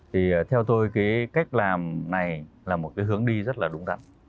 thì theo tôi cái cách làm này là một cái hướng đi rất là đúng đắn